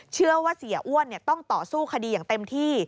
เชื่อว่าเสียอ้วนต้องต่อสู้คดีอย่างเต็มที่